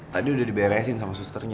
tadi udah diberesin sama susternya